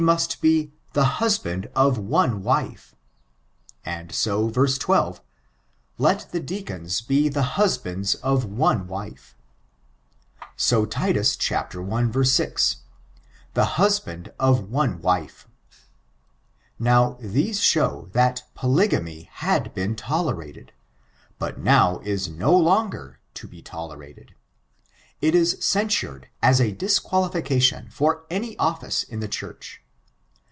568 must be ^'the husband of one wife;" and so, verse 12: " Let the dtocons be the husbands of one wife.'* So, Tit 16: "The husband of one wife.*' Now these showt that polygamy had been tolerated, but now is no longer to be tolerated. It is censured as a disqualification for any office in the Church.